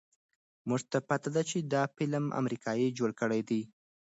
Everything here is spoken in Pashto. مونږ ته پته ده چې دا فلم امريکې جوړ کړے دے